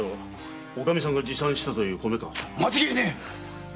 間違いねえ！